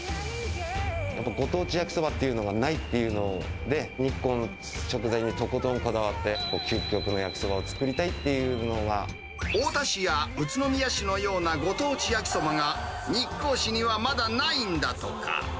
ご当地焼きそばっていうのがないっていうので、日光の食材にとことんこだわって、究極の焼き太田市や宇都宮市のようなご当地焼きそばが、日光市にはまだないんだとか。